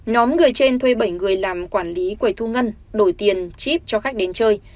nhóm người trên thuê bảy người làm quản lý quầy thu ngân đổi tiền chip cho khách đến chơi